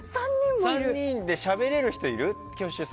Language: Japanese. ３人でしゃべれる人いる？